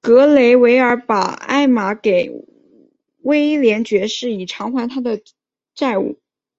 格雷维尔把艾玛给威廉爵士以偿还他的债务。